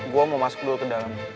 gue mau masuk dulu ke dalam